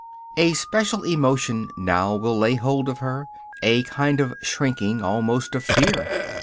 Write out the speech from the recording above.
A special emotion, now, will lay hold of her; a kind of shrinking, almost of fear.